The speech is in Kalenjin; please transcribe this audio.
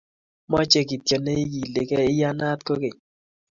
Machi kityo neigiiligei, iyanat kogeny